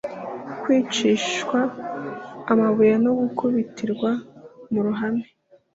kwicishwa amabuye no gukubitirwa mu ruhame